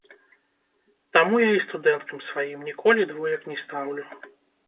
Таму я і студэнткам сваім ніколі двоек не стаўлю!